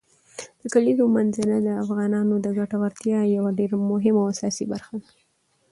د کلیزو منظره د افغانانو د ګټورتیا یوه ډېره مهمه او اساسي برخه ده.